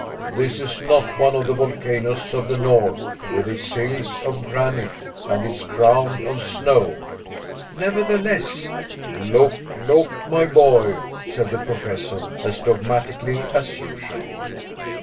This is not one of the volcanoes of the north, with its hills of granite and its crown of snow." "Nevertheless " "Look, look, my boy," said the Professor, as dogmatically as usual.